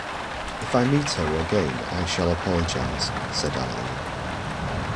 If I meet her again I shall apologize, said Eileen.